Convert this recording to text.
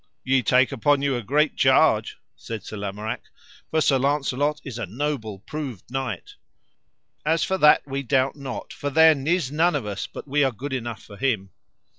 Ye take upon you a great charge, said Sir Lamorak, for Sir Launcelot is a noble proved knight. As for that we doubt not, for there nis none of us but we are good enough for him.